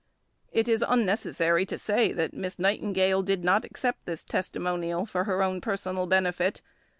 It is unnecessary to say that Miss Nightingale did not accept this testimonial for her own personal benefit.